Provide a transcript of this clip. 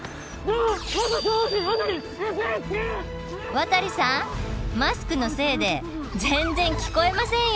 ワタリさんマスクのせいで全然聞こえませんよ。